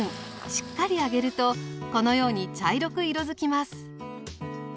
しっかり揚げるとこのように茶色く色づきます。